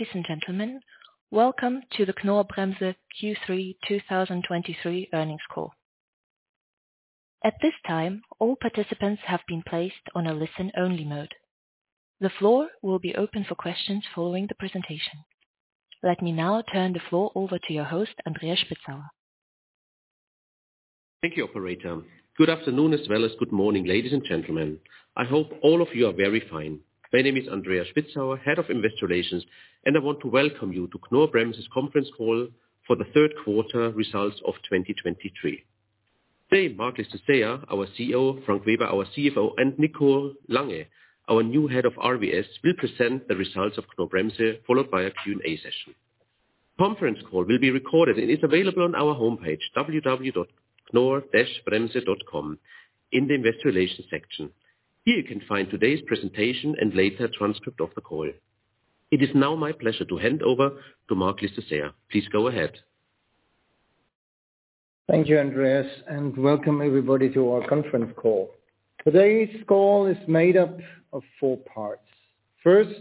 Ladies and gentlemen, welcome to the Knorr-Bremse Q3 2023 earnings call. At this time, all participants have been placed on a listen-only mode. The floor will be open for questions following the presentation. Let me now turn the floor over to your host, Andreas Spitzauer. Thank you, operator. Good afternoon, as well as good morning, ladies and gentlemen. I hope all of you are very fine. My name is Andreas Spitzauer, Head of Investor Relations, and I want to welcome you to Knorr-Bremse's conference call for the third quarter results of 2023. Today, Marc Llistosella, our CEO, Frank Weber, our CFO, and Nicolas Lange, our new head of RVS, will present the results of Knorr-Bremse, followed by a Q&A session. Conference call will be recorded and is available on our homepage, www.knorr-bremse.com in the Investor Relations section. Here you can find today's presentation and later, a transcript of the call. It is now my pleasure to hand over to Marc Llistosella. Please go ahead. Thank you, Andreas, and welcome, everybody, to our conference call. Today's call is made up of four parts. First,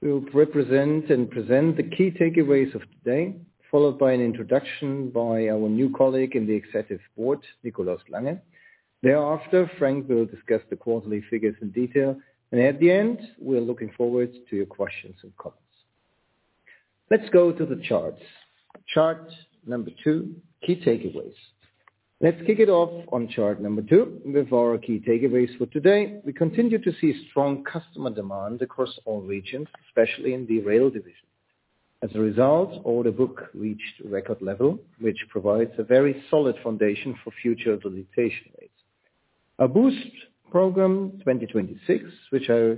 we'll represent and present the key takeaways of today, followed by an introduction by our new colleague in the executive board, Nicolas Lange. Thereafter, Frank will discuss the quarterly figures in detail, and at the end, we are looking forward to your questions and comments. Let's go to the charts. Chart number two, key takeaways. Let's kick it off on chart number two with our key takeaways for today. We continue to see strong customer demand across all regions, especially in the rail division. As a result, order book reached a record level, which provides a very solid foundation for future realization rates. Our BOOST 2026, which I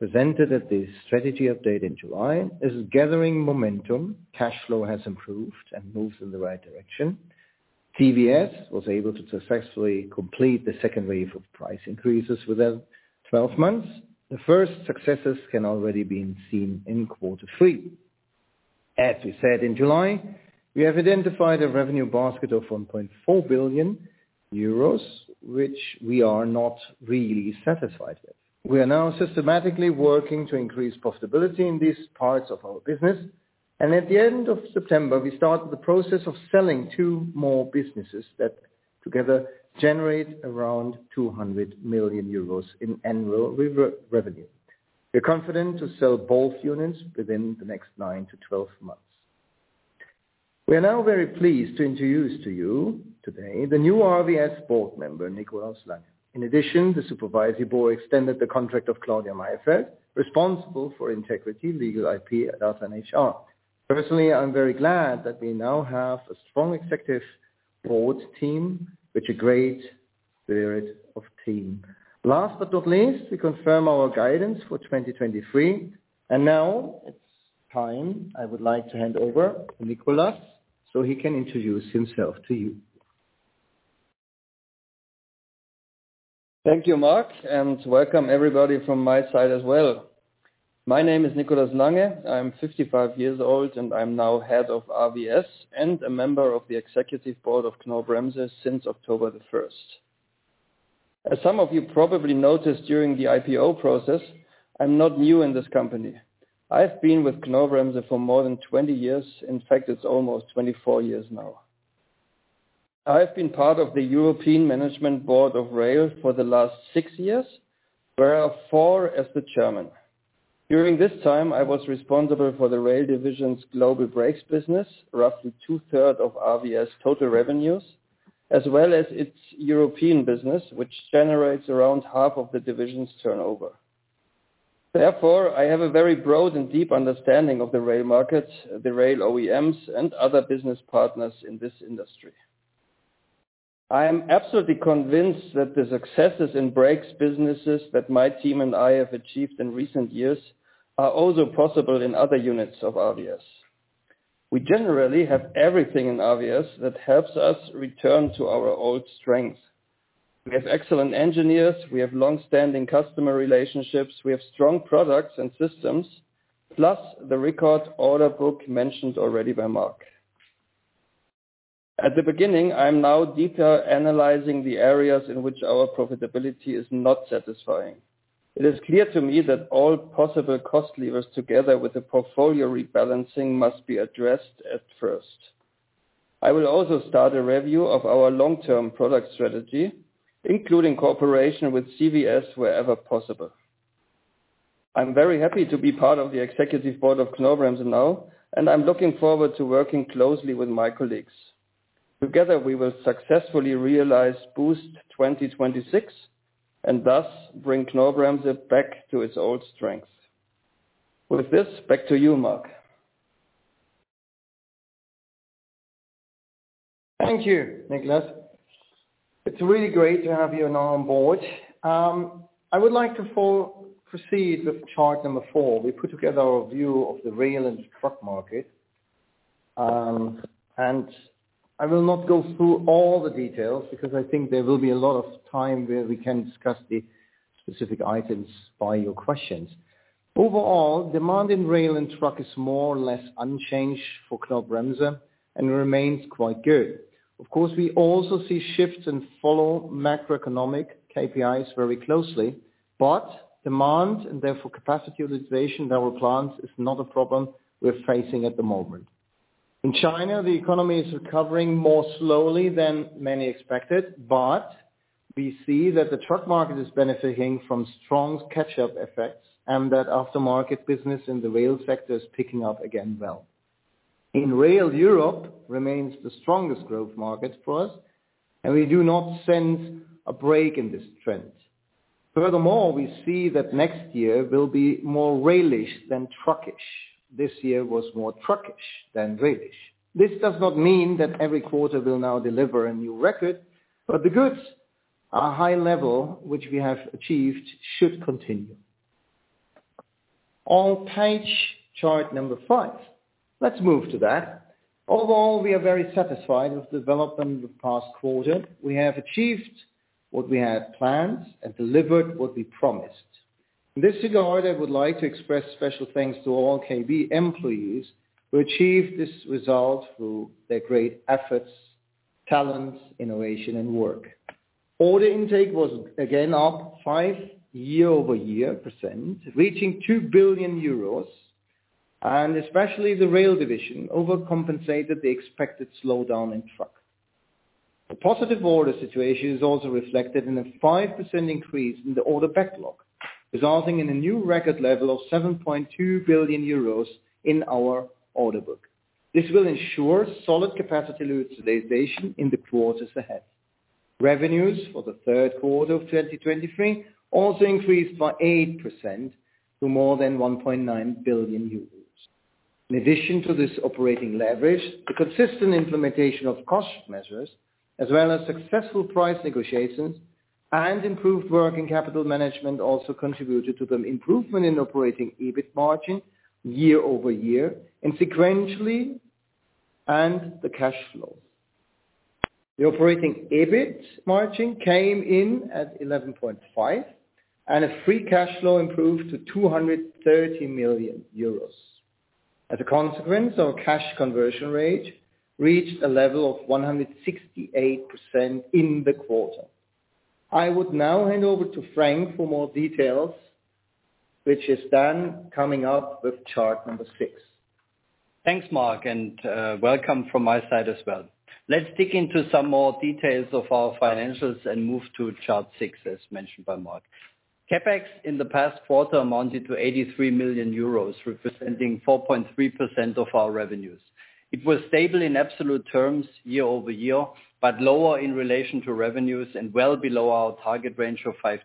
presented at the strategy update in July, is gathering momentum. Cash flow has improved and moves in the right direction. CVS was able to successfully complete the second wave of price increases within 12 months. The first successes can already be seen in quarter three. As we said in July, we have identified a revenue basket of 1.4 billion euros, which we are not really satisfied with. We are now systematically working to increase profitability in these parts of our business, and at the end of September, we started the process of selling two more businesses that together generate around 200 million euros in annual revenue. We're confident to sell both units within the next 9-12 months. We are now very pleased to introduce to you today the new RVS board member, Nicolas Lange. In addition, the supervisory board extended the contract of Claudia Mayfeld, responsible for integrity, legal, IP and HR. Personally, I'm very glad that we now have a strong executive board team with a great spirit of team. Last but not least, we confirm our guidance for 2023. Now it's time. I would like to hand over to Nicolas so he can introduce himself to you. Thank you, Marc, and welcome, everybody, from my side as well. My name is Nicolas Lange. I'm 55 years old, and I'm now head of RVS and a member of the Executive Board of Knorr-Bremse since October the first. As some of you probably noticed during the IPO process, I'm not new in this company. I've been with Knorr-Bremse for more than 20 years. In fact, it's almost 24 years now. I've been part of the European Management Board of Rail for the last 6 years, whereof 4 as the chairman. During this time, I was responsible for the rail division's global brakes business, roughly two-thirds of RVS total revenues, as well as its European business, which generates around half of the division's turnover. Therefore, I have a very broad and deep understanding of the rail markets, the rail OEMs and other business partners in this industry. I am absolutely convinced that the successes in brakes businesses that my team and I have achieved in recent years are also possible in other units of RVS. We generally have everything in RVS that helps us return to our old strengths. We have excellent engineers, we have long-standing customer relationships, we have strong products and systems, plus the record order book mentioned already by Marc. At the beginning, I am now detail analyzing the areas in which our profitability is not satisfying. It is clear to me that all possible cost levers, together with the portfolio rebalancing, must be addressed at first. I will also start a review of our long-term product strategy, including cooperation with CVS, wherever possible. I'm very happy to be part of the executive board of Knorr-Bremse now, and I'm looking forward to working closely with my colleagues. Together, we will successfully realize BOOST 2026 and thus bring Knorr-Bremse back to its old strengths. With this, back to you, Marc. Thank you, Nicolas. It's really great to have you now on board. I would like to proceed with chart number four. We put together a view of the rail and truck market, and I will not go through all the details because I think there will be a lot of time where we can discuss the specific items by your questions. Overall, demand in rail and truck is more or less unchanged for Knorr-Bremse and remains quite good. Of course, we also see shifts and follow macroeconomic KPIs very closely, but demand and therefore capacity utilization in our plants is not a problem we're facing at the moment. In China, the economy is recovering more slowly than many expected, but we see that the truck market is benefiting from strong catch-up effects, and that aftermarket business in the rail sector is picking up again well. In rail, Europe remains the strongest growth market for us, and we do not sense a break in this trend. Furthermore, we see that next year will be more rail-ish than truck-ish. This year was more truck-ish than rail-ish. This does not mean that every quarter will now deliver a new record, but the goods, our high level, which we have achieved, should continue. On page, chart number 5, let's move to that. Overall, we are very satisfied with the development in the past quarter. We have achieved what we had planned and delivered what we promised. In this regard, I would like to express special thanks to all KBM employees who achieved this result through their great efforts, talents, innovation, and work. Order intake was, again, up 5% year-over-year, reaching 2 billion euros, and especially the rail division overcompensated the expected slowdown in truck. The positive order situation is also reflected in a 5% increase in the order backlog, resulting in a new record level of 7.2 billion euros in our order book. This will ensure solid capacity utilization in the quarters ahead. Revenues for the third quarter of 2023 also increased by 8% to more than 1.9 billion euros. In addition to this operating leverage, the consistent implementation of cost measures, as well as successful price negotiations and improved working capital management, also contributed to the improvement in operating EBIT margin year-over-year and sequentially, and the cash flow. The operating EBIT margin came in at 11.5%, and a free cash flow improved to 230 million euros. As a consequence, our cash conversion rate reached a level of 168% in the quarter. I would now hand over to Frank for more details, which is then coming up with chart number 6. Thanks, Marc, and welcome from my side as well. Let's dig into some more details of our financials and move to chart 6, as mentioned by Marc. CapEx in the past quarter amounted to 83 million euros, representing 4.3% of our revenues. It was stable in absolute terms, year-over-year, but lower in relation to revenues and well below our target range of 5%-6%.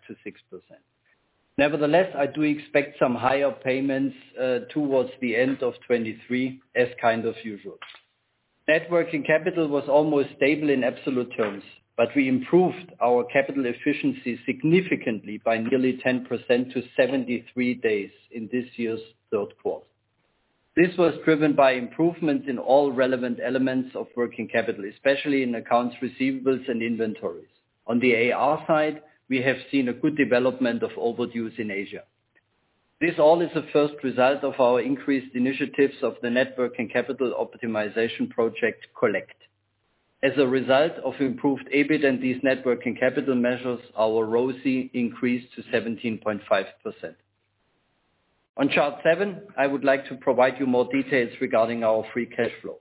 Nevertheless, I do expect some higher payments towards the end of 2023, as kind of usual. Net working capital was almost stable in absolute terms, but we improved our capital efficiency significantly by nearly 10% to 73 days in this year's third quarter. This was driven by improvement in all relevant elements of working capital, especially in accounts receivables and inventories. On the AR side, we have seen a good development of overdues in Asia. This all is a first result of our increased initiatives of the net working capital optimization project, Collect. As a result of improved EBIT and these net working capital measures, our ROCE increased to 17.5%. On chart 7, I would like to provide you more details regarding our free cash flow.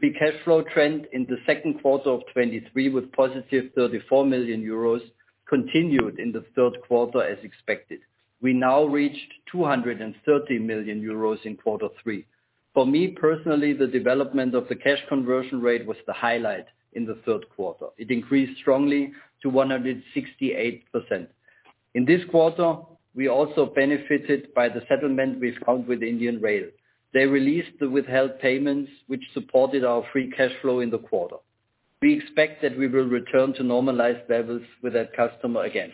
The cash flow trend in the second quarter of 2023, with positive 34 million euros, continued in the third quarter as expected. We now reached 230 million euros in quarter three. For me, personally, the development of the cash conversion rate was the highlight in the third quarter. It increased strongly to 168%. In this quarter, we also benefited by the settlement we've had with Indian Rail. They released the withheld payments, which supported our free cash flow in the quarter. We expect that we will return to normalized levels with that customer again.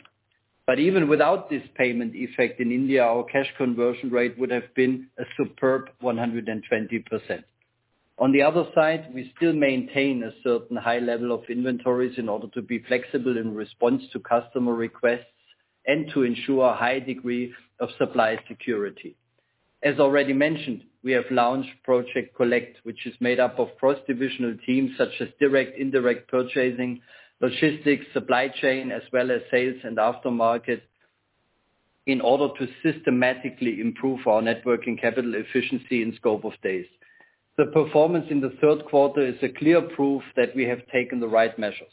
Even without this payment effect in India, our cash conversion rate would have been a superb 120%. On the other side, we still maintain a certain high level of inventories in order to be flexible in response to customer requests and to ensure a high degree of supply security. As already mentioned, we have launched Project Collect, which is made up of cross-divisional teams such as direct, indirect purchasing, logistics, supply chain, as well as sales and aftermarket, in order to systematically improve our net working capital efficiency and scope of days. The performance in the third quarter is a clear proof that we have taken the right measures.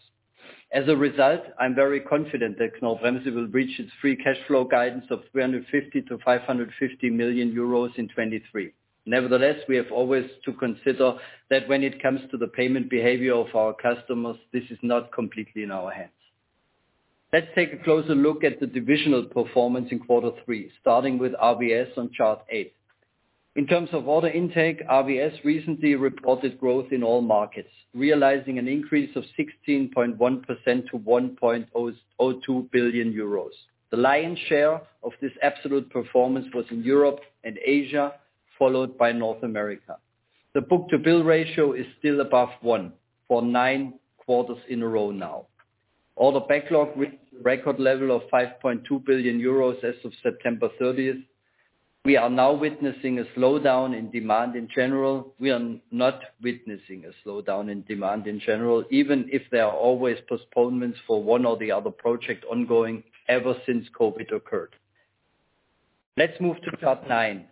As a result, I'm very confident that Knorr-Bremse will reach its free cash flow guidance of 350 million-550 million euros in 2023. Nevertheless, we have always to consider that when it comes to the payment behavior of our customers, this is not completely in our hands. Let's take a closer look at the divisional performance in quarter three, starting with RVS on chart 8. In terms of order intake, RVS recently reported growth in all markets, realizing an increase of 16.1% to 1.02 billion euros. The lion's share of this absolute performance was in Europe and Asia, followed by North America. The book-to-bill ratio is still above 1 for 9 quarters in a row now. Order backlog with record level of 5.2 billion euros as of September 30. We are now witnessing a slowdown in demand in general. We are not witnessing a slowdown in demand in general, even if there are always postponements for one or the other project ongoing ever since COVID occurred.... Let's move to chart nine.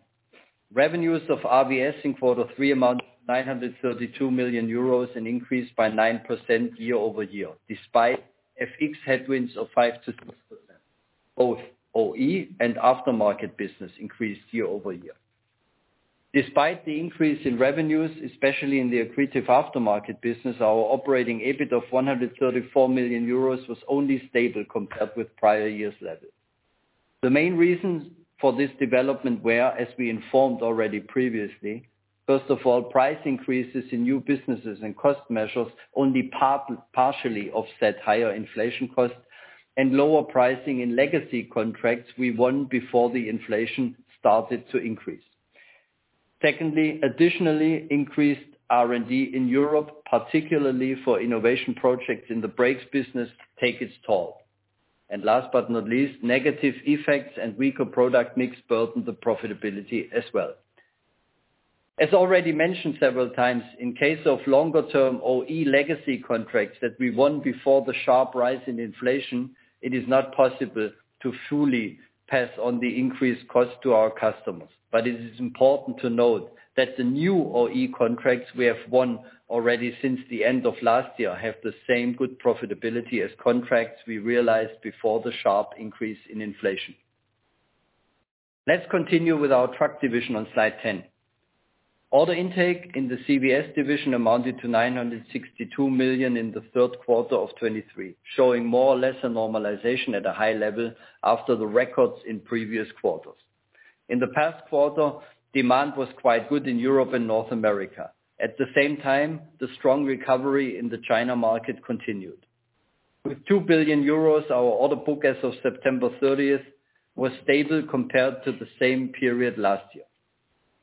Revenues of RVS in quarter three amount to 932 million euros and increased by 9% year-over-year, despite FX headwinds of 5%-6%. Both OE and aftermarket business increased year-over-year. Despite the increase in revenues, especially in the accretive aftermarket business, our operating EBIT of 134 million euros was only stable compared with prior years' level. The main reasons for this development were, as we informed already previously, first of all, price increases in new businesses and cost measures only partially offset higher inflation costs, and lower pricing in legacy contracts we won before the inflation started to increase. Secondly, additionally, increased R&D in Europe, particularly for innovation projects in the brakes business, take its toll. Last but not least, negative effects and weaker product mix burden the profitability as well. As already mentioned several times, in case of longer term OE legacy contracts that we won before the sharp rise in inflation, it is not possible to fully pass on the increased cost to our customers. But it is important to note that the new OE contracts we have won already since the end of last year, have the same good profitability as contracts we realized before the sharp increase in inflation. Let's continue with our truck division on slide 10. Order intake in the CVS division amounted to 962 million in the third quarter of 2023, showing more or less a normalization at a high level after the records in previous quarters. In the past quarter, demand was quite good in Europe and North America. At the same time, the strong recovery in the China market continued. With 2 billion euros, our order book as of September 30, was stable compared to the same period last year.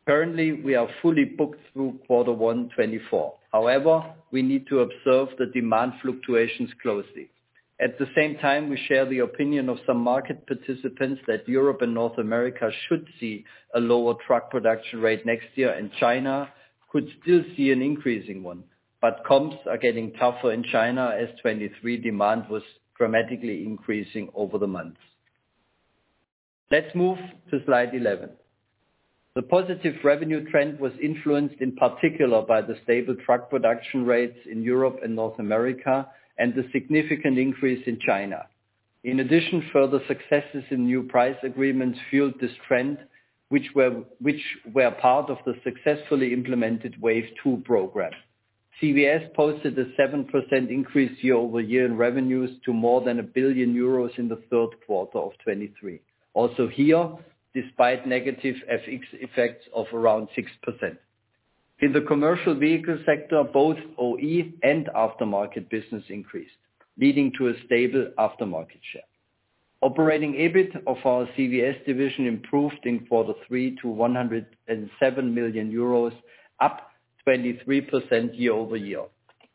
Currently, we are fully booked through quarter one 2024. However, we need to observe the demand fluctuations closely. At the same time, we share the opinion of some market participants that Europe and North America should see a lower truck production rate next year, and China could still see an increasing one. But comps are getting tougher in China, as 2023 demand was dramatically increasing over the months. Let's move to slide 11. The positive revenue trend was influenced, in particular, by the stable truck production rates in Europe and North America, and the significant increase in China. In addition, further successes in new price agreements fueled this trend, which were part of the successfully implemented Wave Two program. CVS posted a 7% increase year-over-year in revenues to more than 1 billion euros in the third quarter of 2023. Also here, despite negative FX effects of around 6%. In the commercial vehicle sector, both OE and aftermarket business increased, leading to a stable aftermarket share. Operating EBIT of our CVS division improved in quarter three to 107 million euros, up 23% year-over-year.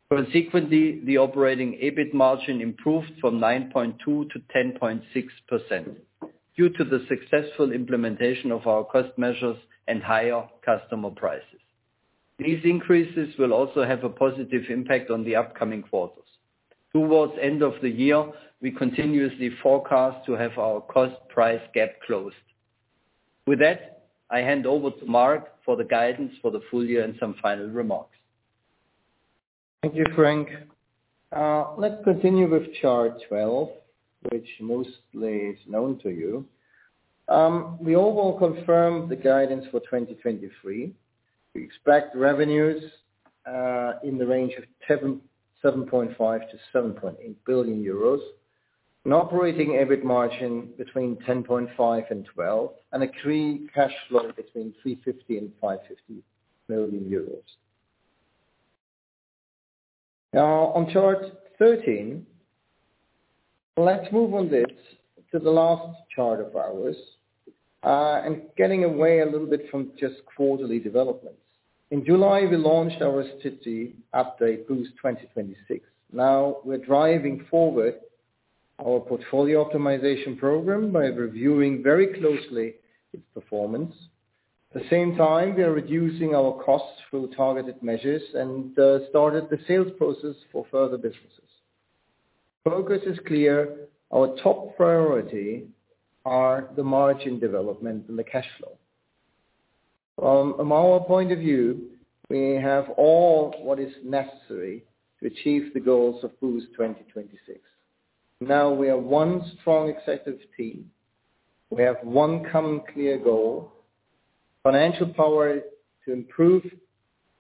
Consequently, the operating EBIT margin improved from 9.2% to 10.6%, due to the successful implementation of our cost measures and higher customer prices. These increases will also have a positive impact on the upcoming quarters. Towards end of the year, we continuously forecast to have our cost price gap closed. With that, I hand over to Marc for the guidance for the full year and some final remarks. Thank you, Frank. Let's continue with chart 12, which mostly is known to you. We overall confirm the guidance for 2023. We expect revenues in the range of 7.7 billion-7.8 billion euros, an operating EBIT margin between 10.5% and 12%, and a free cash flow between 350 million and 550 million euros. Now, on chart 13, let's move on this to the last chart of ours, and getting away a little bit from just quarterly developments. In July, we launched our strategy update, BOOST 2026. Now, we're driving forward our portfolio optimization program by reviewing very closely its performance. At the same time, we are reducing our costs through targeted measures and started the sales process for further businesses. Focus is clear, our top priority are the margin development and the cash flow. From our point of view, we have all what is necessary to achieve the goals of BOOST 2026. Now, we are one strong, effective team. We have one common, clear goal, financial power to improve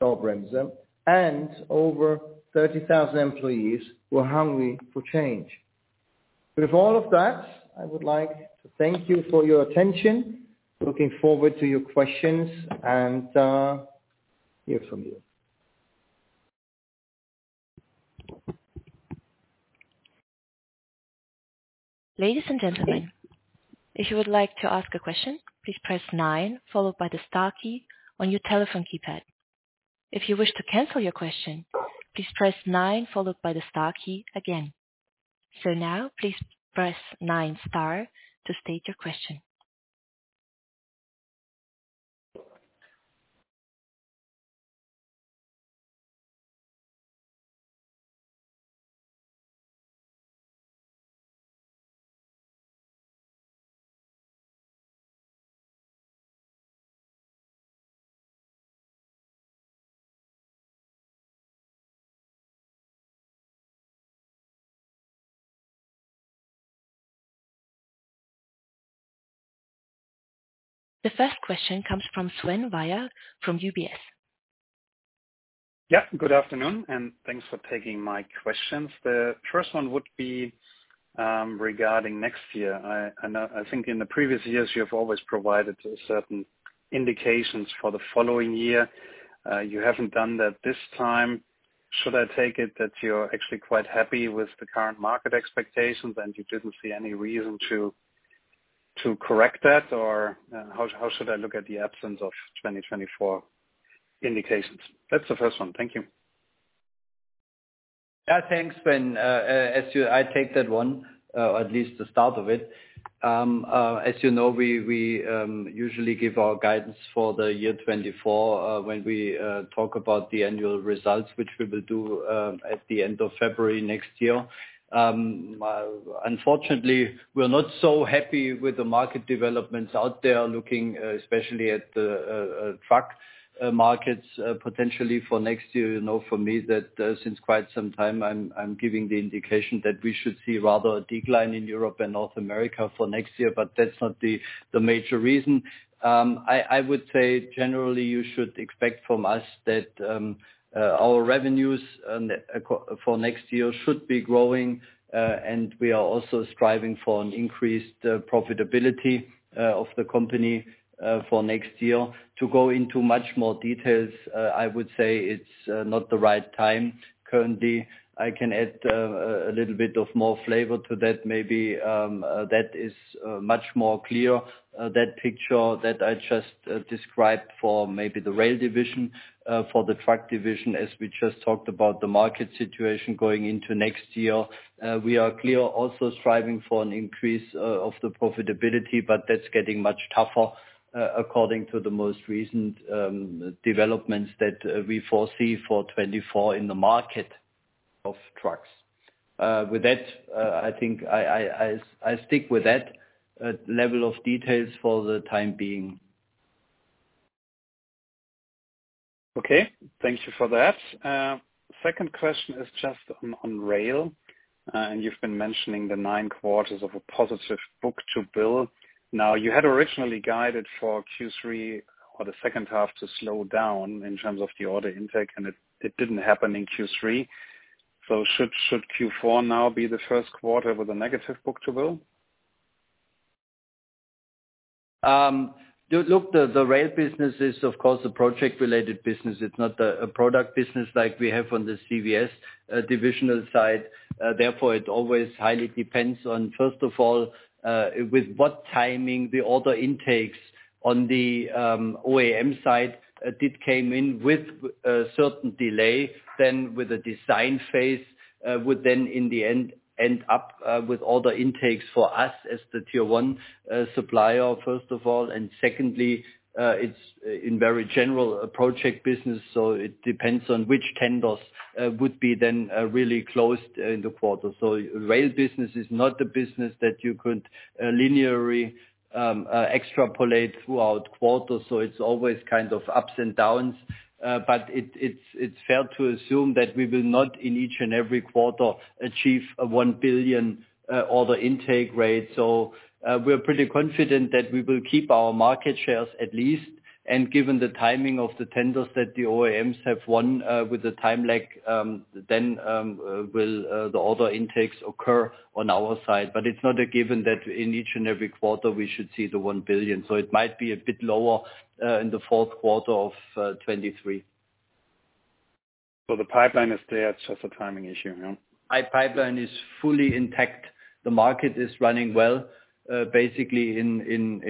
our revenue, and over 30,000 employees who are hungry for change. With all of that, I would like to thank you for your attention. Looking forward to your questions and hear from you. Ladies and gentlemen, if you would like to ask a question, please press nine, followed by the star key on your telephone keypad. If you wish to cancel your question, please press nine followed by the star key again. So now, please press nine, star, to state your question. ... The first question comes from Sven Weier from UBS. Yeah, good afternoon, and thanks for taking my questions. The first one would be regarding next year. I know, I think in the previous years, you have always provided certain indications for the following year. You haven't done that this time. Should I take it that you're actually quite happy with the current market expectations, and you didn't see any reason to correct that? Or how should I look at the absence of 2024 indications? That's the first one. Thank you. Thanks, Sven. As you- I take that one, or at least the start of it. As you know, we usually give our guidance for the year 2024, when we talk about the annual results, which we will do, at the end of February next year. Unfortunately, we're not so happy with the market developments out there, looking especially at the truck markets, potentially for next year. You know, for me, that since quite some time, I'm giving the indication that we should see rather a decline in Europe and North America for next year, but that's not the major reason. I would say generally, you should expect from us that our revenues for next year should be growing, and we are also striving for an increased profitability of the company for next year. To go into much more details, I would say it's not the right time currently. I can add a little bit of more flavor to that, maybe, that is much more clear, that picture that I just described for maybe the rail division, for the truck division, as we just talked about the market situation going into next year. We are clear, also striving for an increase of the profitability, but that's getting much tougher according to the most recent developments that we foresee for 2024 in the market of trucks. With that, I think I stick with that level of details for the time being. Okay. Thank you for that. Second question is just on rail, and you've been mentioning the nine quarters of a positive book-to-bill. Now, you had originally guided for Q3 or the second half to slow down in terms of the order intake, and it didn't happen in Q3. So should Q4 now be the first quarter with a negative book-to-bill? Look, the rail business is, of course, a project-related business. It's not a product business like we have on the CVS divisional side. Therefore, it always highly depends on, first of all, with what timing the order intakes on the OEM side did came in with a certain delay, then with the design phase would then in the end end up with all the intakes for us as the tier one supplier, first of all. And secondly, it's in very general a project business, so it depends on which tenders would be then really closed in the quarter. So rail business is not a business that you could linearly extrapolate throughout quarters, so it's always kind of ups and downs. But it's fair to assume that we will not, in each and every quarter, achieve a 1 billion order intake rate. So, we're pretty confident that we will keep our market shares at least, and given the timing of the tenders that the OEMs have won, with the time lag, then will the order intakes occur on our side. But it's not a given that in each and every quarter we should see the 1 billion. So it might be a bit lower in the fourth quarter of 2023. So the pipeline is there. It's just a timing issue, yeah? Our pipeline is fully intact. The market is running well, basically in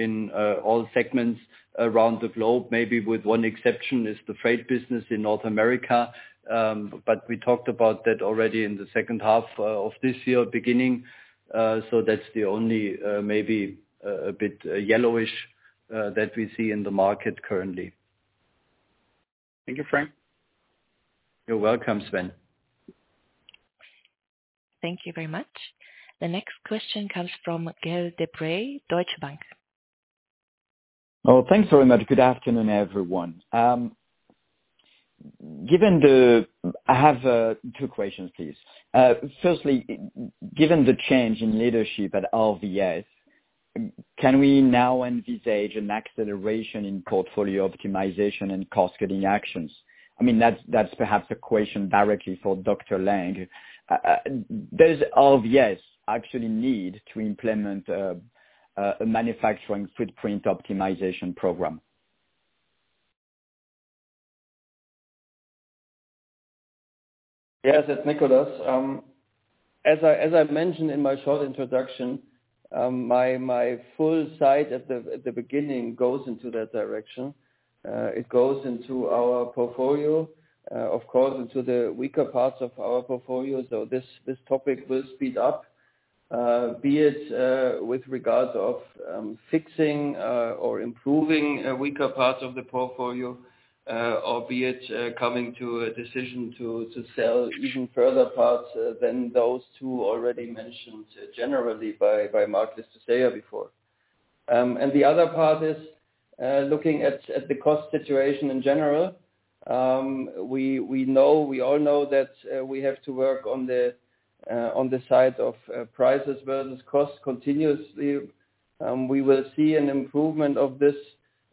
all segments around the globe, maybe with one exception, is the freight business in North America. But we talked about that already in the second half of this year, beginning. So that's the only maybe a bit yellowish that we see in the market currently. Thank you, Frank. You're welcome, Sven. Thank you very much. The next question comes from Gaël de Bray, Deutsche Bank. Oh, thanks very much. Good afternoon, everyone. Given the... I have two questions, please. Firstly, given the change in leadership at RVS, can we now envisage an acceleration in portfolio optimization and cost-cutting actions? I mean, that's, that's perhaps a question directly for Dr. Lange. Does RVS actually need to implement a manufacturing footprint optimization program? Yes, it's Nicolas. As I mentioned in my short introduction, my full slide at the beginning goes into that direction. It goes into our portfolio, of course, into the weaker parts of our portfolio. So this topic will speed up, be it with regards of fixing or improving weaker parts of the portfolio, or be it coming to a decision to sell even further parts than those two already mentioned generally by Marc Llistosella before. And the other part is looking at the cost situation in general. We know, we all know that we have to work on the side of prices versus costs continuously. We will see an improvement of this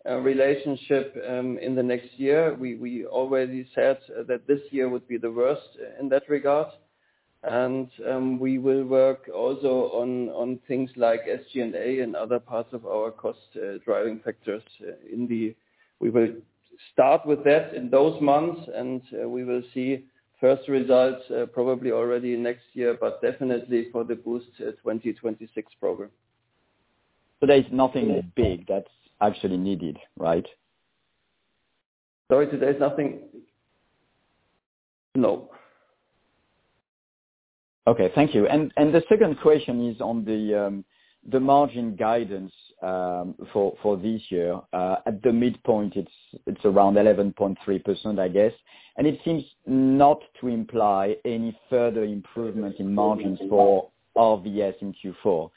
relationship in the next year. We already said that this year would be the worst in that regard. We will work also on things like SG&A and other parts of our cost driving factors. We will start with that in those months, and we will see first results probably already next year, but definitely for the BOOST 2026 program. There is nothing big that's actually needed, right? Sorry, so there's nothing? No. Okay, thank you. And the second question is on the margin guidance for this year. At the midpoint, it's around 11.3%, I guess. And it seems not to imply any further improvement in margins for RVS in Q4.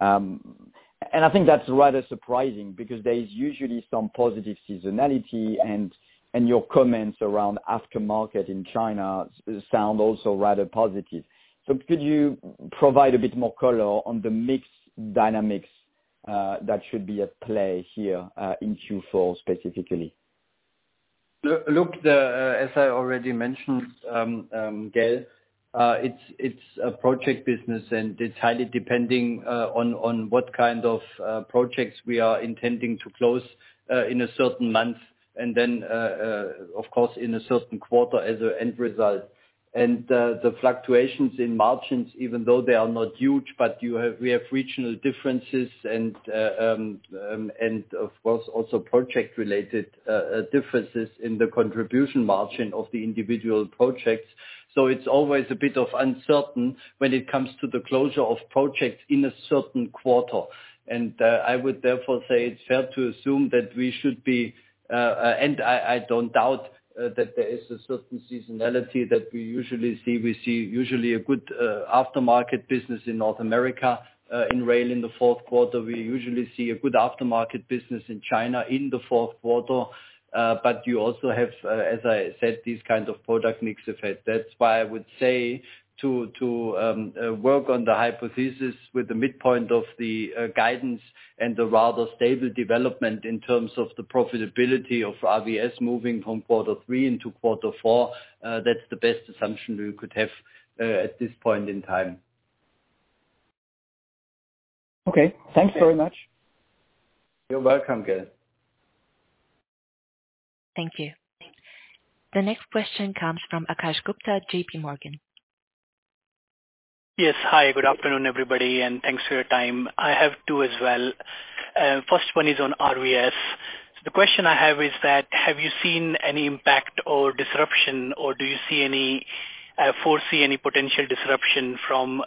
And I think that's rather surprising because there is usually some positive seasonality, and your comments around aftermarket in China sound also rather positive. So could you provide a bit more color on the mix dynamics that should be at play here in Q4, specifically? Look, as I already mentioned, Gaël, it's a project business, and it's highly depending on what kind of projects we are intending to close in a certain month, and then, of course, in a certain quarter as an end result. And the fluctuations in margins, even though they are not huge, but you have - we have regional differences and, and of course, also project-related differences in the contribution margin of the individual projects. So it's always a bit uncertain when it comes to the closure of projects in a certain quarter. And I would therefore say it's fair to assume that we should be... And I don't doubt that there is a certain seasonality that we usually see. We see usually a good aftermarket business in North America in rail in the fourth quarter. We usually see a good aftermarket business in China in the fourth quarter. But you also have, as I said, these kind of product mix effect. That's why I would say to work on the hypothesis with the midpoint of the guidance and the rather stable development in terms of the profitability of RVS moving from quarter three into quarter four, that's the best assumption we could have at this point in time. Okay. Thanks very much. You're welcome, Gaël. Thank you. The next question comes from Akash Gupta, JP Morgan. Yes. Hi, good afternoon, everybody, and thanks for your time. I have two as well. First one is on RVS. The question I have is that, have you seen any impact or disruption, or do you see any, foresee any potential disruption from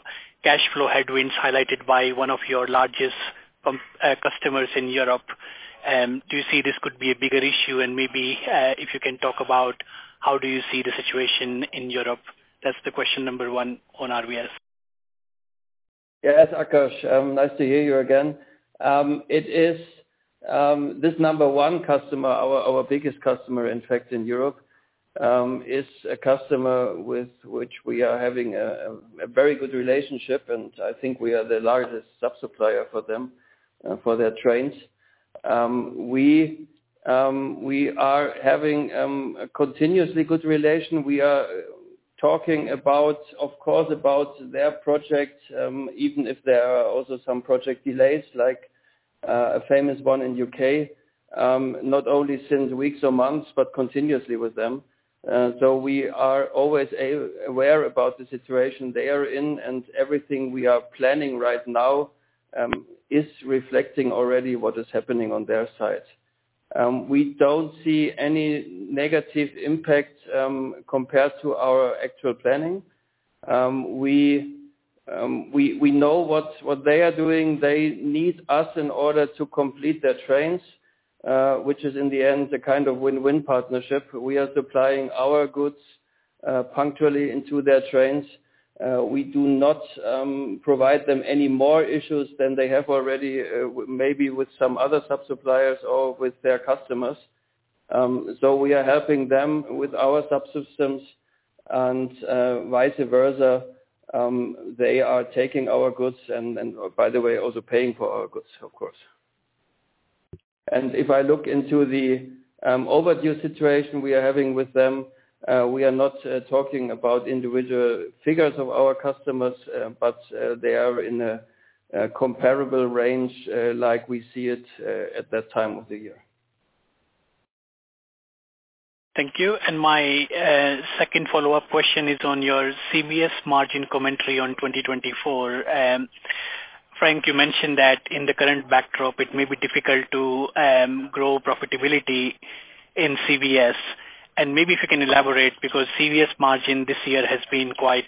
cash flow headwinds highlighted by one of your largest pump customers in Europe? And do you see this could be a bigger issue? And maybe, if you can talk about how do you see the situation in Europe? That's the question number one on RVS. Yes, Akash, nice to hear you again. It is this number one customer, our biggest customer, in fact, in Europe, is a customer with which we are having a very good relationship, and I think we are the largest sub-supplier for them, for their trains. We are having a continuously good relation. We are talking about, of course, about their projects, even if there are also some project delays, like a famous one in UK, not only since weeks or months, but continuously with them. So we are always aware about the situation they are in, and everything we are planning right now is reflecting already what is happening on their side. We don't see any negative impact compared to our actual planning. We know what they are doing. They need us in order to complete their trains, which is, in the end, a kind of win-win partnership. We are supplying our goods punctually into their trains. We do not provide them any more issues than they have already, maybe with some other sub-suppliers or with their customers. So we are helping them with our subsystems, and vice versa, they are taking our goods, and by the way, also paying for our goods, of course. And if I look into the overdue situation we are having with them, we are not talking about individual figures of our customers, but they are in a comparable range, like we see it at that time of the year. Thank you. And my second follow-up question is on your CVS margin commentary on 2024. Frank, you mentioned that in the current backdrop, it may be difficult to grow profitability in CVS. And maybe if you can elaborate, because CVS margin this year has been quite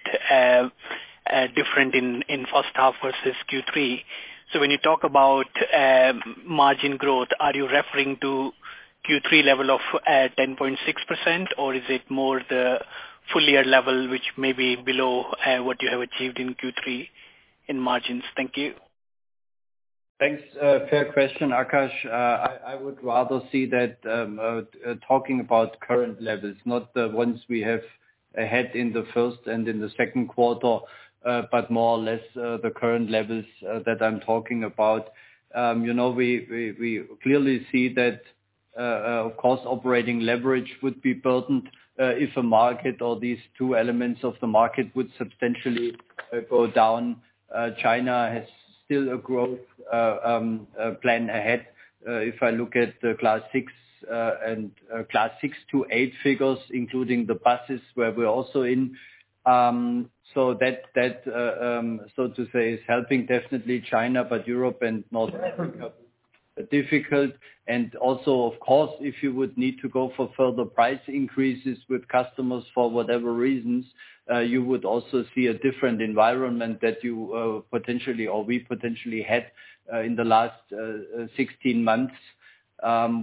different in first half versus Q3. So when you talk about margin growth, are you referring to Q3 level of 10.6%, or is it more the full year level, which may be below what you have achieved in Q3 in margins? Thank you. Thanks. Fair question, Akash. I would rather see that, talking about current levels, not the ones we have ahead in the first and in the second quarter, but more or less, the current levels that I'm talking about. You know, we clearly see that, of course, operating leverage would be burdened, if a market or these two elements of the market would substantially go down. China has still a growth plan ahead. If I look at the class 6 and class 6 to 8 figures, including the buses, where we're also in. So that, so to say, is helping definitely China, but Europe and North Africa, difficult. And also, of course, if you would need to go for further price increases with customers, for whatever reasons, you would also see a different environment that you potentially, or we potentially had in the last 16 months,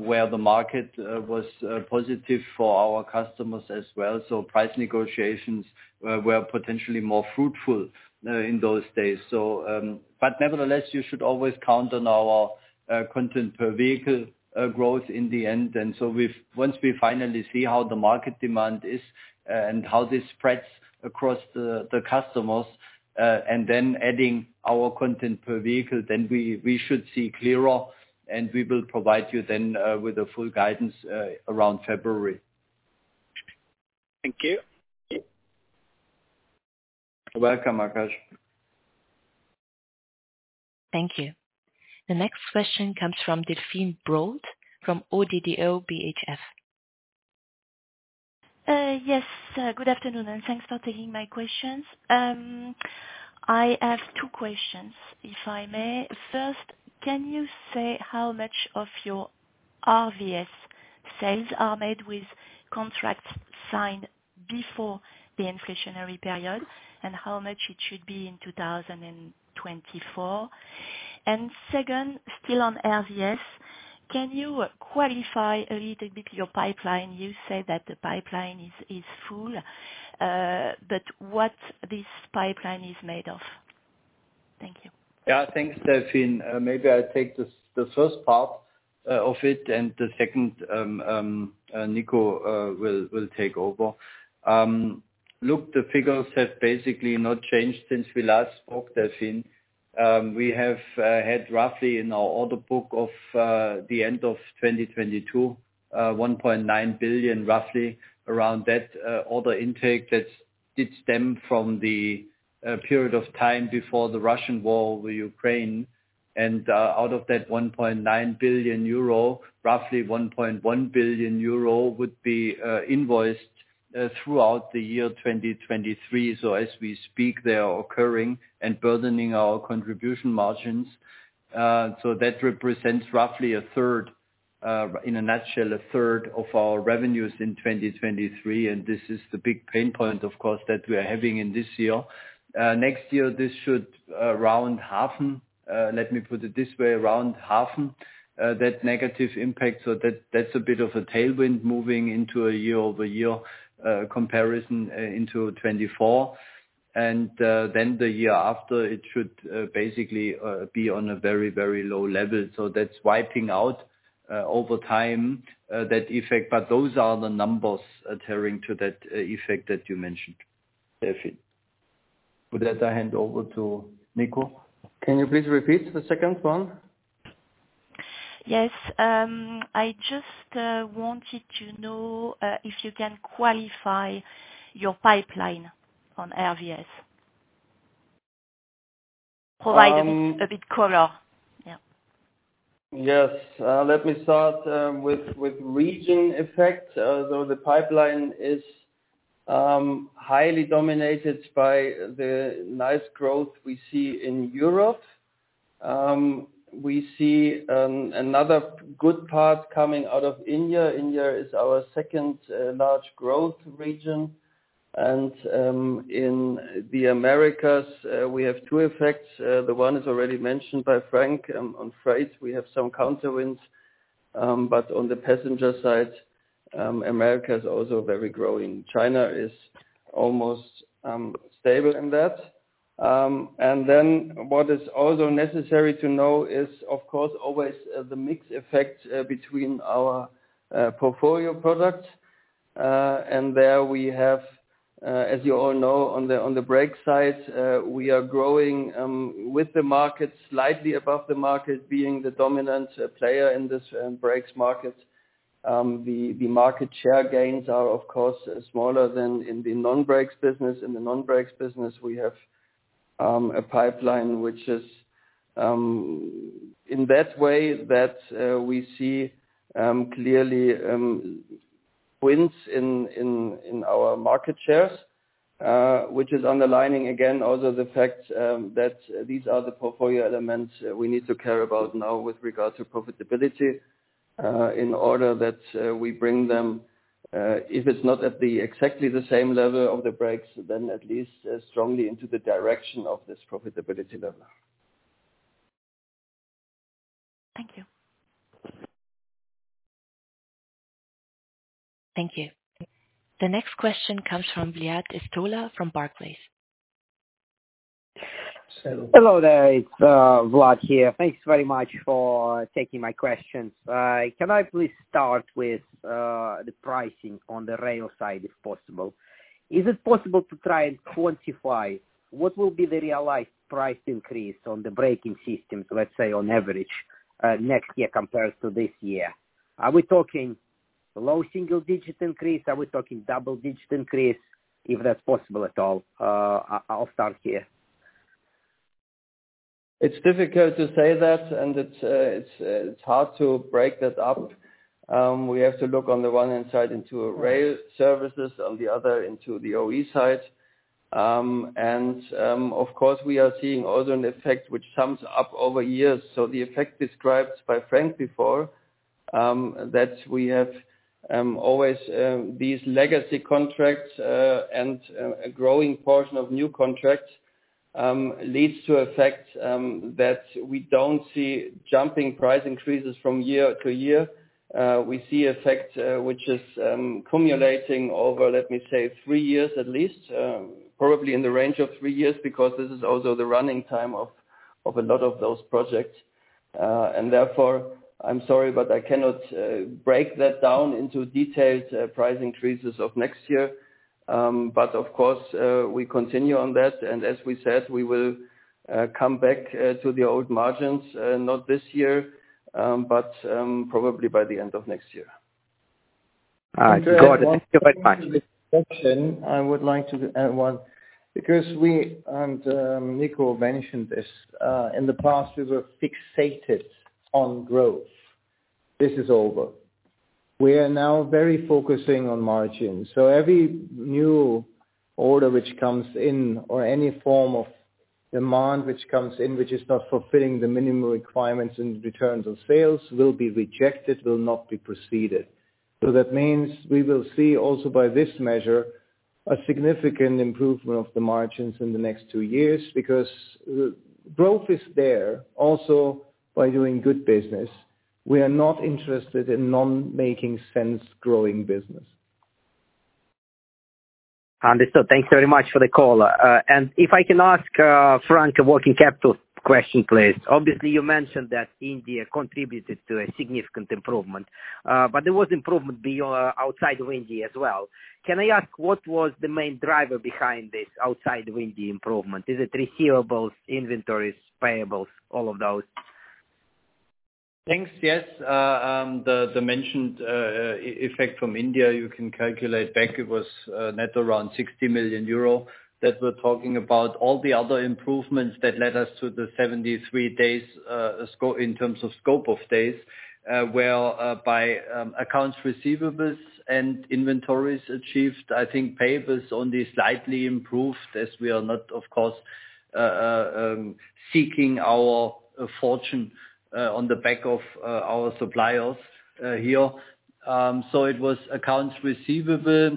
where the market was positive for our customers as well. So price negotiations were potentially more fruitful in those days. So, but nevertheless, you should always count on our content per vehicle growth in the end. And so once we finally see how the market demand is, and how this spreads across the customers, and then adding our content per vehicle, then we should see clearer, and we will provide you then with a full guidance around February. Thank you. You're welcome, Akash. Thank you. The next question comes from Delphine Brault, from ODDO BHF. Yes, good afternoon, and thanks for taking my questions. I have two questions, if I may. First, can you say how much of your RVS sales are made with contracts signed before the inflationary period, and how much it should be in 2024? And second, still on RVS, can you qualify a little bit your pipeline? You say that the pipeline is full, but what this pipeline is made of? Thank you. Yeah, thanks, Delphine. Maybe I'll take the first part of it, and the second, Nico will take over. Look, the figures have basically not changed since we last spoke, Delphine. We have had roughly in our order book of the end of 2022, 1.9 billion, roughly around that, order intake that did stem from the period of time before the Russian war with Ukraine. And out of that 1.9 billion euro, roughly 1.1 billion euro would be invoiced throughout the year 2023. So as we speak, they are occurring and burdening our contribution margins. So that represents roughly a third, in a nutshell, a third of our revenues in 2023, and this is the big pain point, of course, that we are having in this year. Next year, this should around happen. Let me put it this way, around happen that negative impact, so that's a bit of a tailwind moving into a year-over-year comparison into 2024. And then the year after, it should basically be on a very, very low level. So that's wiping out over time that effect. But those are the numbers adhering to that effect that you mentioned, Delphine. With that, I hand over to Nico. Can you please repeat the second one? Yes. I just wanted to know if you can qualify your pipeline on RVS? Um- Provide a bit, a bit color. Yeah. Yes. Let me start with region effect. So the pipeline is highly dominated by the nice growth we see in Europe. We see another good part coming out of India. India is our second large growth region. And in the Americas, we have two effects. The one is already mentioned by Frank. On freight, we have some headwinds, but on the passenger side, America is also very growing. China is almost stable in that. And then what is also necessary to know is, of course, always the mix effect between our portfolio products. And there we have, as you all know, on the brake side, we are growing with the market, slightly above the market, being the dominant player in this brakes market. The market share gains are, of course, smaller than in the non-brakes business. In the non-brakes business, we have a pipeline, which is in that way that we see clearly wins in our market shares, which is underlining again also the fact that these are the portfolio elements we need to care about now with regard to profitability, in order that we bring them, if it's not at exactly the same level of the brakes, then at least as strongly into the direction of this profitability level. Thank you. Thank you. The next question comes from Vlad Sergievskii from Barclays. Hello there, it's Vlad here. Thanks very much for taking my questions. Can I please start with the pricing on the rail side, if possible? Is it possible to try and quantify what will be the realized price increase on the braking systems, let's say on average, next year compared to this year? Are we talking low single digit increase? Are we talking double digit increase, if that's possible at all? I'll start here. It's difficult to say that, and it's hard to break that up. We have to look on the one hand side into a rail services, on the other, into the OE side. And, of course, we are seeing also an effect which sums up over years. So the effect described by Frank before, that we have always these legacy contracts, and a growing portion of new contracts, leads to effect that we don't see jumping price increases from year to year. We see effect which is cumulating over, let me say, three years at least, probably in the range of three years, because this is also the running time of a lot of those projects. And therefore, I'm sorry, but I cannot break that down into detailed price increases of next year. But of course, we continue on that, and as we said, we will come back to the old margins, not this year, but probably by the end of next year. All right, got it. Thank you very much. I would like to add one, because we and Nico mentioned this in the past, we were fixated on growth. This is over. We are now very focusing on margins, so every new order which comes in or any form of demand which comes in, which is not fulfilling the minimum requirements and returns on sales, will be rejected, will not be proceeded. So that means we will see also by this measure, a significant improvement of the margins in the next two years, because growth is there. Also, by doing good business, we are not interested in non-making sense growing business. Understood. Thanks very much for the call. And if I can ask, Frank, a working capital question, please. Obviously, you mentioned that India contributed to a significant improvement, but there was improvement beyond, outside of India as well. Can I ask, what was the main driver behind this outside of India improvement? Is it receivables, inventories, payables, all of those? Thanks. Yes, the mentioned effect from India, you can calculate back. It was net around 60 million euro that we're talking about. All the other improvements that led us to the 73 days Scope of days were by accounts receivable and inventories achieved. I think payables was only slightly improved, as we are not, of course, seeking our fortune on the back of our suppliers here. So it was accounts receivable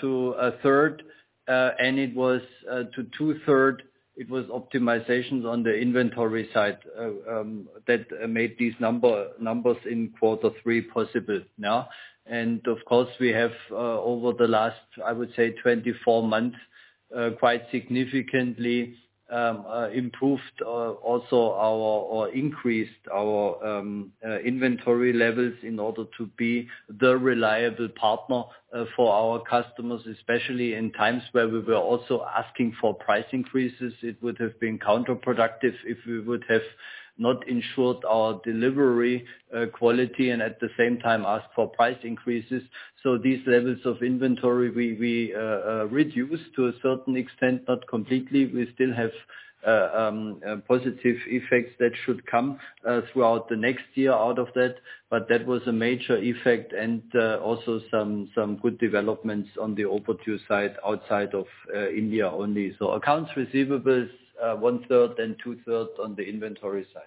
to a third, and it was to two third, it was optimizations on the inventory side that made these numbers in quarter three possible now. Of course, we have, over the last, I would say, 24 months, quite significantly, improved, also our, or increased our, inventory levels in order to be the reliable partner, for our customers, especially in times where we were also asking for price increases. It would have been counterproductive if we would have not ensured our delivery, quality and at the same time asked for price increases. These levels of inventory, we reduced to a certain extent, not completely. We still have, positive effects that should come, throughout the next year out of that, but that was a major effect and, also some good developments on the APAC side, outside of, India only. Accounts receivables, one third and two thirds on the inventory side.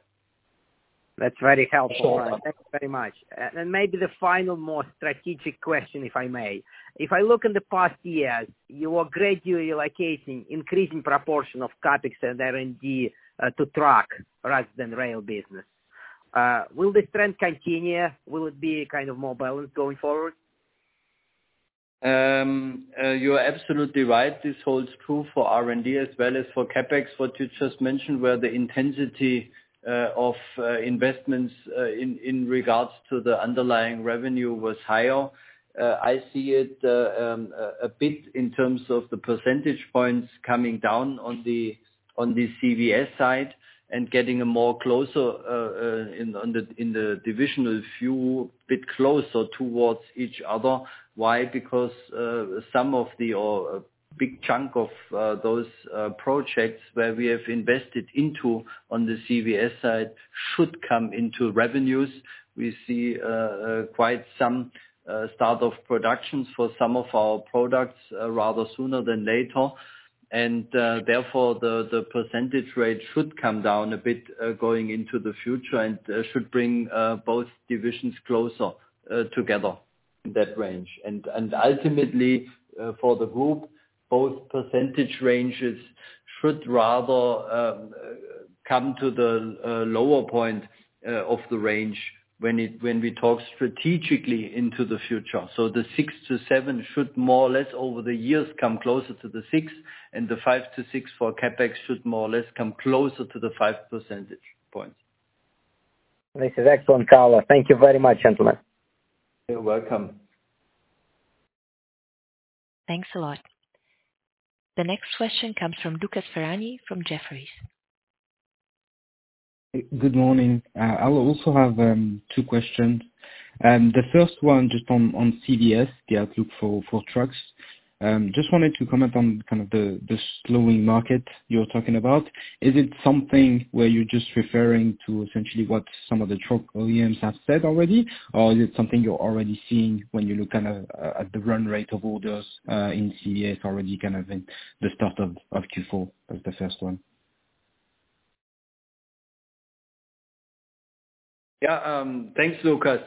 That's very helpful. Thank you very much. Maybe the final, more strategic question, if I may. If I look in the past years, you are gradually allocating increasing proportion of CapEx and R&D to truck rather than rail business. Will this trend continue? Will it be kind of more balanced going forward? You are absolutely right. This holds true for R&D as well as for CapEx. What you just mentioned, where the intensity of investments in regards to the underlying revenue was higher. I see it a bit in terms of the percentage points coming down on the CVS side and getting a bit closer in the divisional view towards each other. Why? Because some of the, or a big chunk of those projects where we have invested into on the CVS side should come into revenues. We see quite some start of productions for some of our products rather sooner than later. Therefore, the percentage rate should come down a bit going into the future and should bring both divisions closer together in that range. And ultimately, both percentage ranges should rather come to the lower point of the range when we talk strategically into the future. So the 6%-7% should more or less, over the years, come closer to the 6%, and the 5%-6% for CapEx should more or less come closer to the 5 percentage points. This is excellent, Carlo. Thank you very much, gentlemen. You're welcome. Thanks a lot. The next question comes from Lucas Ferhani, from Jefferies. Good morning. I will also have two questions. The first one, just on CVS, the outlook for trucks. Just wanted to comment on kind of the slowing market you're talking about. Is it something where you're just referring to essentially what some of the truck OEMs have said already, or is it something you're already seeing when you look kind of at the run rate of orders in CVS already, kind of, in the start of Q4? That's the first one. Yeah, thanks, Lucas.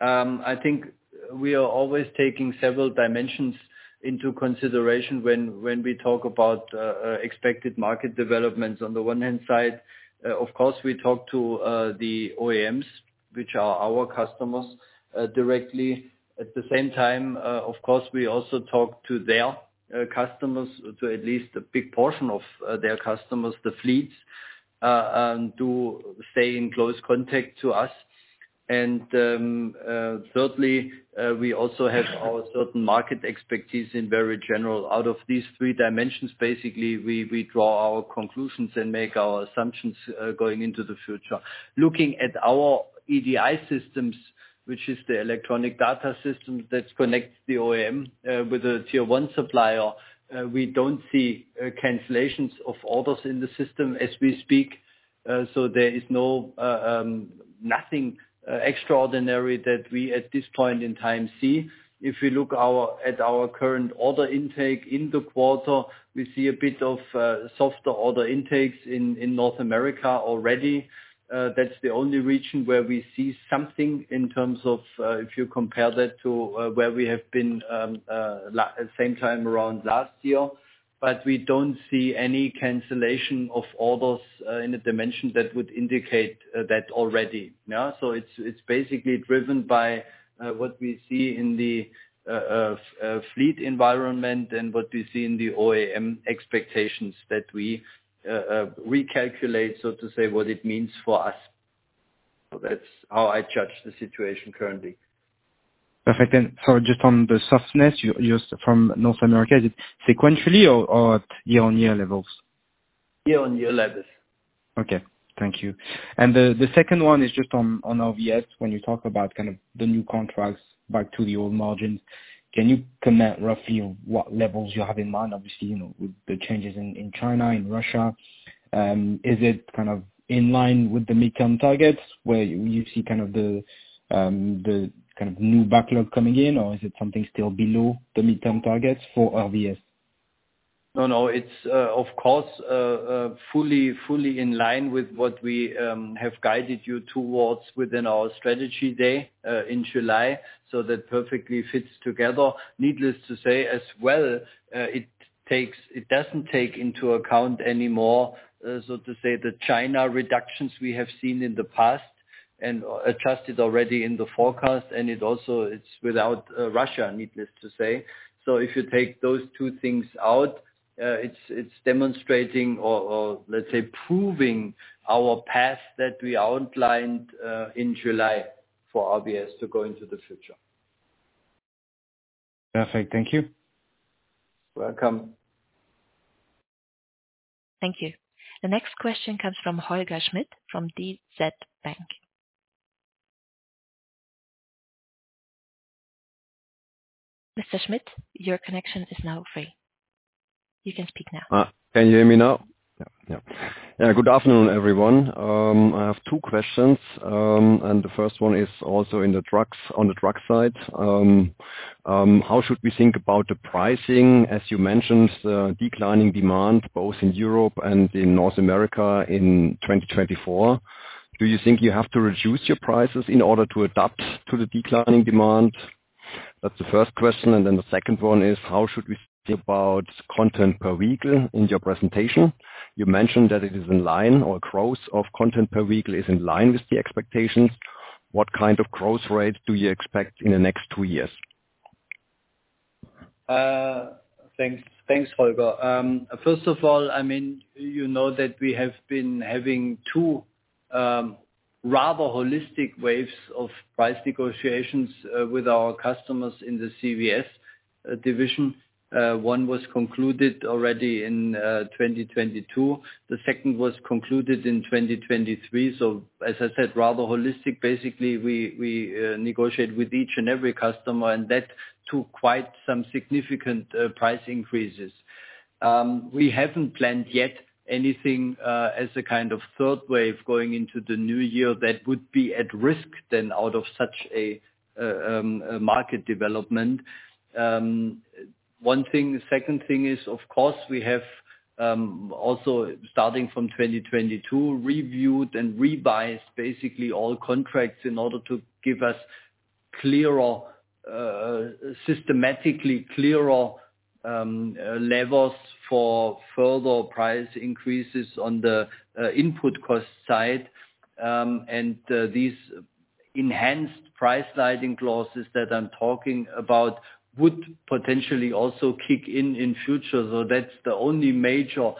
I think we are always taking several dimensions into consideration when we talk about expected market developments. On the one hand side, of course, we talk to the OEMs, which are our customers, directly. At the same time, of course, we also talk to their customers, to at least a big portion of their customers, the fleets, and do stay in close contact to us. And, thirdly, we also have our certain market expertise in very general. Out of these three dimensions, basically, we draw our conclusions and make our assumptions going into the future. Looking at our EDI systems, which is the electronic data system that connects the OEM with the tier one supplier, we don't see cancellations of orders in the system as we speak. So there is no nothing extraordinary that we, at this point in time, see. If we look at our current order intake in the quarter, we see a bit of softer order intakes in North America already. That's the only region where we see something in terms of if you compare that to where we have been same time around last year. But we don't see any cancellation of orders in a dimension that would indicate that already. Yeah, so it's basically driven by what we see in the fleet environment and what we see in the OEM expectations that we recalculate, so to say, what it means for us. So that's how I judge the situation currently. Perfect. And so just on the softness, you, just from North America, is it sequentially or, or year-on-year levels? Year-on-year levels. Okay, thank you. And the second one is just on RVS. When you talk about kind of the new contracts back to the old margins, can you comment roughly on what levels you have in mind? Obviously, you know, with the changes in China, in Russia, is it kind of in line with the midterm targets, where you see kind of the kind of new backlog coming in, or is it something still below the midterm targets for RVS? No, no, it's, of course, fully, fully in line with what we have guided you towards within our strategy day in July. So that perfectly fits together. Needless to say, as well, it takes... It doesn't take into account anymore, so to say, the China reductions we have seen in the past, and adjusted already in the forecast, and it also it's without Russia, needless to say. So if you take those two things out, it's, it's demonstrating or, let's say, proving our path that we outlined in July for RVS to go into the future. Perfect. Thank you. Welcome. Thank you. The next question comes from Holger Schmidt, from DZ Bank. Mr. Schmidt, your connection is now free. You can speak now. Can you hear me now? Yeah, yeah. Good afternoon, everyone. I have two questions, and the first one is also in the trucks, on the truck side. How should we think about the pricing? As you mentioned, declining demand, both in Europe and in North America in 2024. Do you think you have to reduce your prices in order to adapt to the declining demand? That's the first question, and then the second one is, how should we think about content per vehicle in your presentation? You mentioned that it is in line, or growth of content per vehicle is in line with the expectations. What kind of growth rate do you expect in the next two years? Thanks. Thanks, Holger. First of all, I mean, you know, that we have been having two, rather holistic waves of price negotiations, with our customers in the CVS division. One was concluded already in 2022. The second was concluded in 2023. So as I said, rather holistic. Basically, we negotiate with each and every customer, and that took quite some significant price increases. We haven't planned yet anything, as a kind of third wave going into the new year, that would be at risk then, out of such a market development. One thing, the second thing is, of course, we have also, starting from 2022, reviewed and revised, basically all contracts in order to give us-... clearer, systematically clearer levels for further price increases on the input cost side. And these enhanced price sliding clauses that I'm talking about would potentially also kick in in future. So that's the only major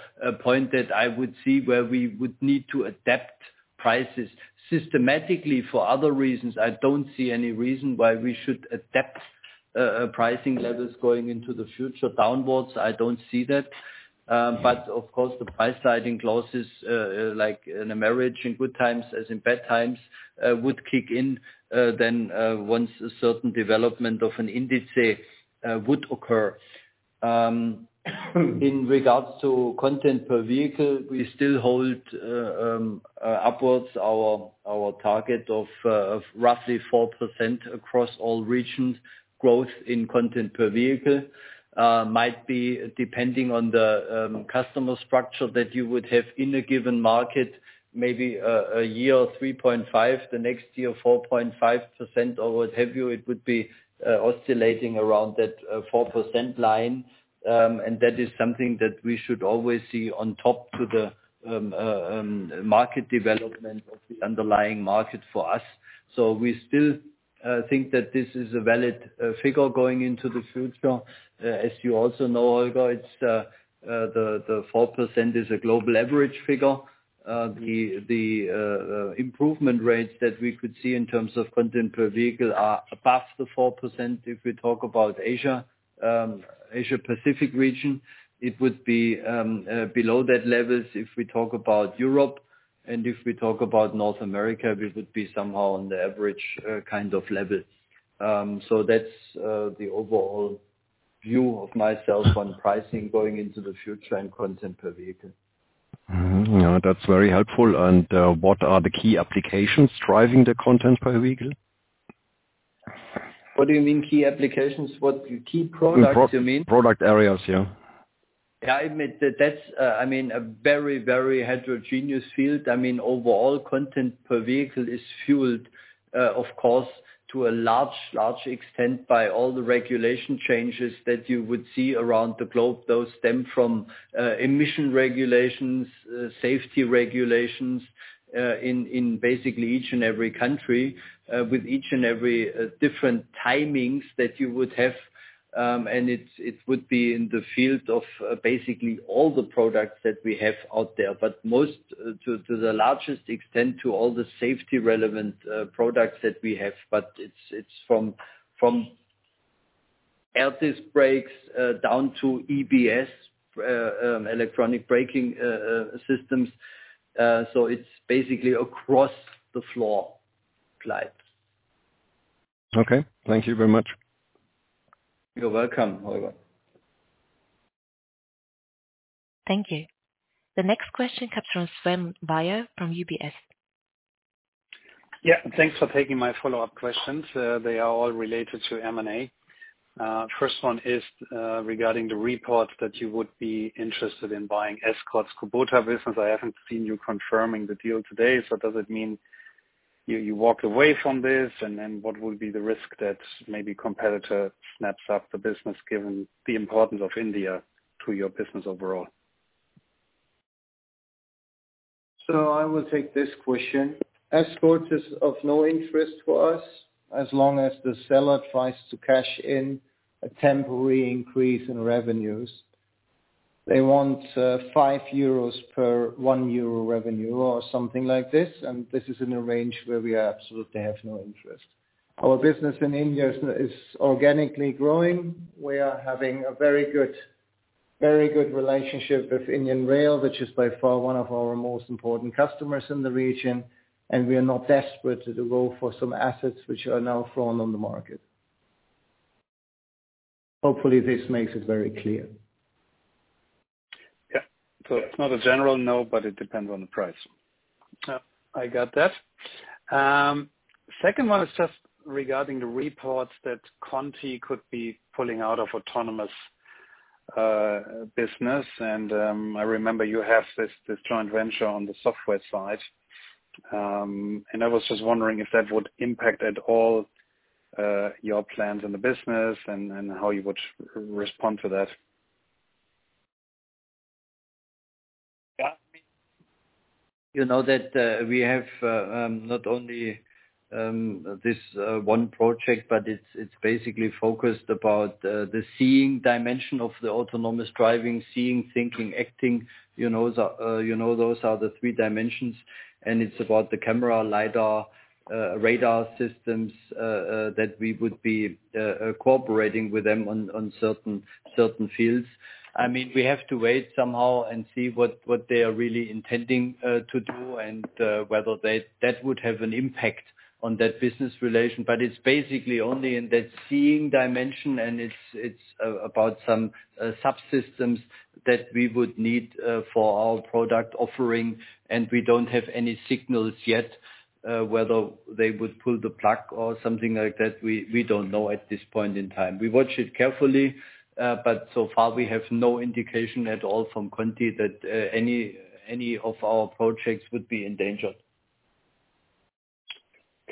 point that I would see where we would need to adapt prices systematically for other reasons. I don't see any reason why we should adapt pricing levels going into the future downwards. I don't see that. But of course, the price sliding clauses, like in a marriage, in good times, as in bad times, would kick in then once a certain development of an indices would occur. In regards to content per vehicle, we still hold upwards our target of roughly 4% across all regions. Growth in content per vehicle might be depending on the customer structure that you would have in a given market, maybe a year, 3.5%, the next year, 4.5%, or what have you. It would be oscillating around that 4% line. That is something that we should always see on top to the market development of the underlying market for us. So we still think that this is a valid figure going into the future. As you also know, Olga, it's the 4% is a global average figure. The improvement rates that we could see in terms of content per vehicle are above the 4%. If we talk about Asia, Asia Pacific region, it would be below that levels if we talk about Europe, and if we talk about North America, we would be somehow on the average, kind of levels. So that's the overall view of myself on pricing going into the future and content per vehicle. Mm-hmm. Yeah, that's very helpful. What are the key applications driving the content per vehicle? What do you mean, key applications? What, key products, you mean? Product areas, yeah. Yeah, I admit that that's, I mean, a very, very heterogeneous field. I mean, overall content per vehicle is fueled, of course, to a large, large extent by all the regulation changes that you would see around the globe. Those stem from, emission regulations, safety regulations, in basically each and every country, with each and every, different timings that you would have. And it's, it would be in the field of, basically all the products that we have out there, but most, to the largest extent, to all the safety relevant, products that we have. But it's from Altis brakes, down to EBS, electronic braking, systems. So it's basically across the floor, Clyde. Okay. Thank you very much. You're welcome, Oliver. Thank you. The next question comes from Sven Weier from UBS. Yeah, thanks for taking my follow-up questions. They are all related to M&A. First one is regarding the report that you would be interested in buying Escorts Kubota business. I haven't seen you confirming the deal today, so does it mean you walked away from this? And then, what would be the risk that maybe competitor snaps up the business, given the importance of India to your business overall? So I will take this question. Escorts is of no interest to us, as long as the seller tries to cash in a temporary increase in revenues. They want 5 euros per 1 euro revenue, or something like this, and this is in a range where we absolutely have no interest. Our business in India is organically growing. We are having a very good, very good relationship with Indian Rail, which is by far one of our most important customers in the region, and we are not desperate to go for some assets which are now thrown on the market. Hopefully, this makes it very clear. Yeah. So it's not a general no, but it depends on the price. I got that. Second one is just regarding the reports that Conti could be pulling out of autonomous business. And I was just wondering if that would impact at all your plans in the business and how you would respond to that? Yeah. You know, that we have not only this one project, but it's basically focused about the seeing dimension of the autonomous driving, seeing, thinking, acting, you know, you know, those are the three dimensions, and it's about the camera, lidar, radar systems that we would be cooperating with them on certain fields. I mean, we have to wait somehow and see what they are really intending to do, and whether they... That would have an impact on that business relation. But it's basically only in that seeing dimension, and it's about some subsystems that we would need for our product offering, and we don't have any signals yet whether they would pull the plug or something like that. We don't know at this point in time. We watch it carefully, but so far, we have no indication at all from Conti that any of our projects would be in danger....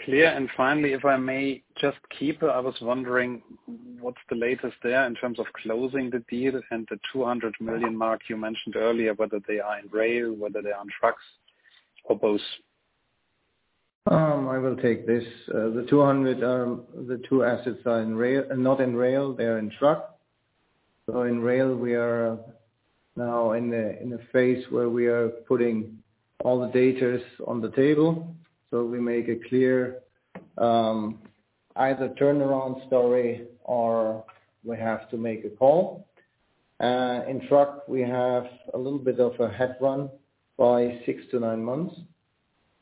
Clear. And finally, if I may, just Kiepe, I was wondering what's the latest there in terms of closing the deal and the 200 million mark you mentioned earlier, whether they are in rail, whether they are on trucks or both? I will take this. The two assets are in rail—not in rail, they are in truck. So in rail, we are now in the phase where we are putting all the data on the table, so we make it clear, either turnaround story or we have to make a call. In truck, we have a little bit of a head start by 6-9 months,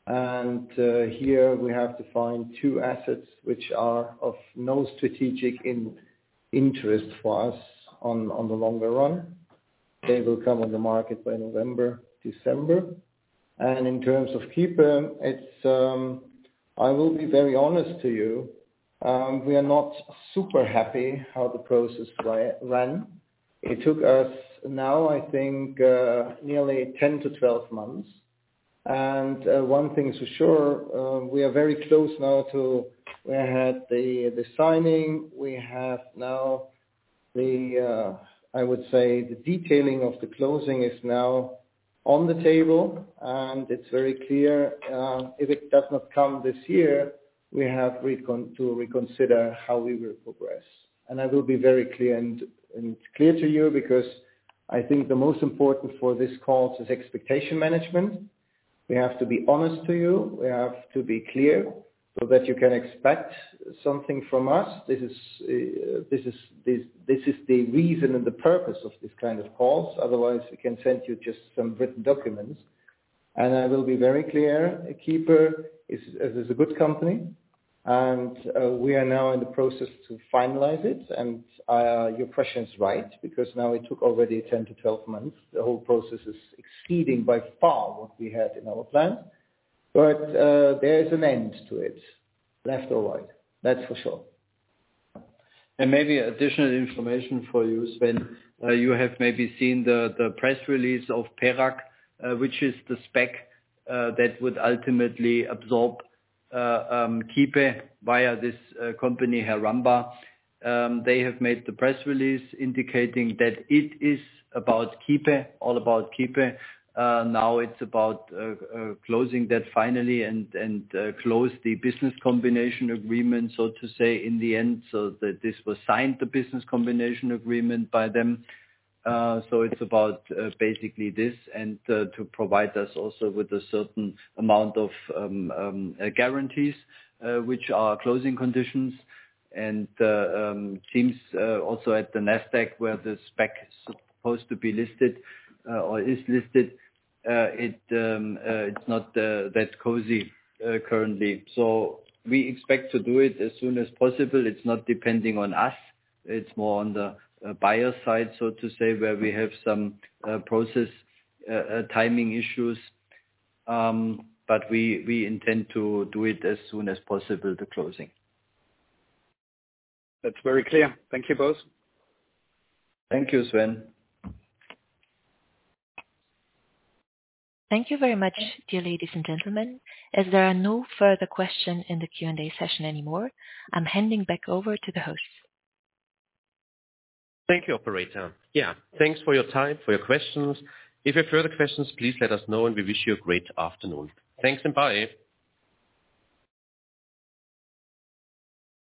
and here we have to find two assets which are of no strategic interest for us in the longer run. They will come on the market by November, December. In terms of Kiepe, it's, I will be very honest to you, we are not super happy how the process ran. It took us now, I think, nearly 10-12 months. One thing is for sure, we are very close now to the signing. We have now the, I would say, the detailing of the closing is now on the table, and it's very clear, if it does not come this year, we have to reconsider how we will progress. I will be very clear and clear to you, because I think the most important for this call is expectation management. We have to be honest to you. We have to be clear, so that you can expect something from us. This is, this is, this, this is the reason and the purpose of this kind of calls. Otherwise, we can send you just some written documents. I will be very clear, Kiepe is a good company, and we are now in the process to finalize it. Your question is right, because now it took already 10-12 months. The whole process is exceeding by far what we had in our plan, but there is an end to it, left or right. That's for sure. Maybe additional information for you, Sven. You have maybe seen the press release of Project Energy Reimagined (PEGR), which is the SPAC that would ultimately absorb Kiepe via this company, Project Energy Reimagined (PEGR). They have made the press release indicating that it is about Kiepe, all about Kiepe. Now it's about closing that finally and close the business combination agreement, so to say, in the end, so that this was signed, the business combination agreement by them. So it's about basically this, and to provide us also with a certain amount of guarantees, which are closing conditions. And seems also at the NASDAQ, where the SPAC is supposed to be listed or is listed, it's not that cozy currently. So we expect to do it as soon as possible. It's not depending on us, it's more on the buyer side, so to say, where we have some process timing issues. But we intend to do it as soon as possible, the closing. That's very clear. Thank you both. Thank you, Sven. Thank you very much, dear ladies and gentlemen. As there are no further questions in the Q&A session anymore, I'm handing back over to the host. Thank you, operator. Yeah, thanks for your time, for your questions. If you have further questions, please let us know, and we wish you a great afternoon. Thanks, and bye.